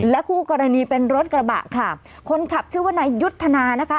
คู่กรณีเป็นรถกระบะค่ะคนขับชื่อว่านายยุทธนานะคะ